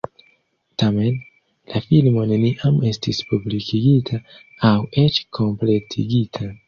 Tamen, la filmo neniam estis publikigita aŭ eĉ kompletigita.